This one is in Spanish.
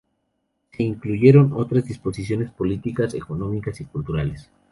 Se incluyeron otras disposiciones políticas, económicas y culturales.